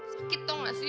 sakit tau gak sih